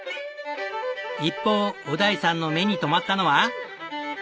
一方小田井さんの目に留まったのは。